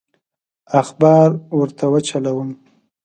اخبار ورته وچلوم.